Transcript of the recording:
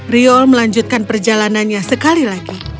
riol melanjutkan perjalanannya sekali lagi